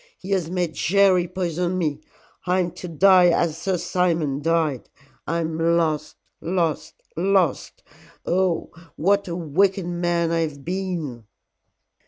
He has made Jerry poison me. I am to die as Sir Simon died. I am lost lost lost. Oh, what a wicked man I have been."